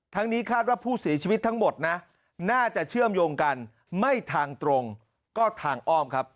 นี้คาดว่าผู้เสียชีวิตทั้งหมดนะน่าจะเชื่อมโยงกันไม่ทางตรงก็ทางอ้อมครับ